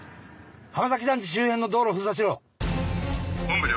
浜崎団地周辺の道路を封鎖しろ。